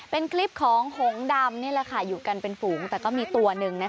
เป็นคลิปของหงดำนี่แหละค่ะอยู่กันเป็นฝูงแต่ก็มีตัวหนึ่ง